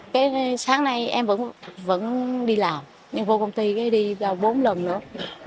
cái sáng nay em vẫn đi làm em vô công ty đi bốn lần nữa mệt quá rồi lên đây luôn